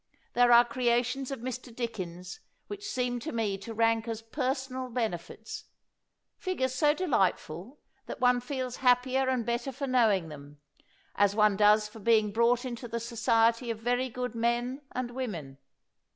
There are creations of Mr. Dickens which seem to me to rank as personal benefits; figures so delightful, that one feels happier and better for knowing them, as one does for being brought into the society of very good men and women.